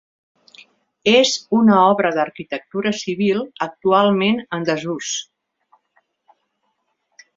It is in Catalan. És una obra d'arquitectura civil actualment en desús.